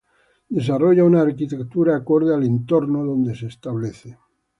Desarrolla una arquitectura acorde al entorno donde se establece.